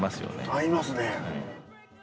合いますね。